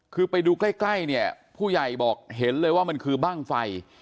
คือไปดูใกล้เนี่ยผู้ใหญ่บอกเห็นเลยว่ามันคือบ้างไฟ